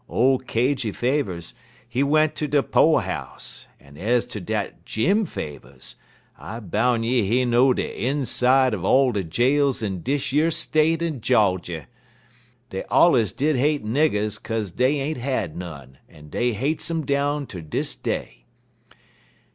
Ole Cajy Favers, he went ter de po'house, en ez ter dat Jim Favers, I boun' you he know de inside er all de jails in dish yer State er Jawjy. Dey allers did hate niggers kase dey ain't had none, en dey hates um down ter dis day.